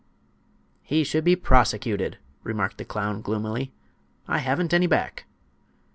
"He should be prosecuted," remarked the clown, gloomily. "I haven't any back."